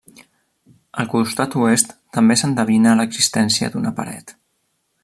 Al costat oest també s'endevina l'existència d'una paret.